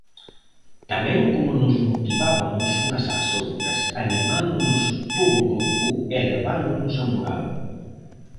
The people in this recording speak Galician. Tamén como nos motivabamos unhas ás outras, animándonos todo o grupo, elevándonos a moral.